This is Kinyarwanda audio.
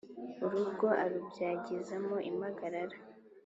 Urugo arubyagizamo impagarara